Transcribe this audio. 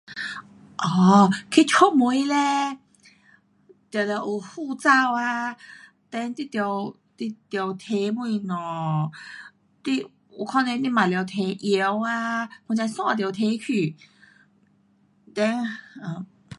um 去出门嘞，就要有护照啊，then 你得，你得拿东西，你，有可能你嘛得拿药啊，反正衣得拿去 then[um]